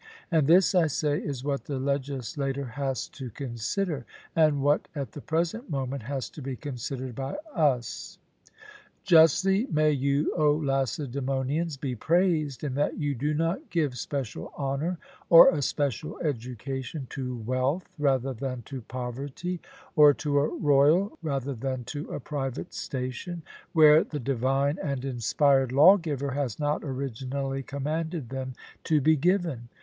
And this, I say, is what the legislator has to consider, and what at the present moment has to be considered by us. Justly may you, O Lacedaemonians, be praised, in that you do not give special honour or a special education to wealth rather than to poverty, or to a royal rather than to a private station, where the divine and inspired lawgiver has not originally commanded them to be given.